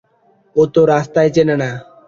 ও তো রাস্তাই চেনে না।